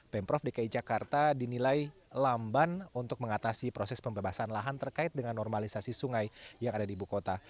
pemprov dki jakarta dinilai lamban untuk mengatasi proses pembebasan lahan terkait dengan normalisasi sungai yang ada di ibu kota